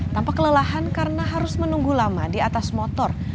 tanpa kelelahan karena harus menunggu lama di atas motor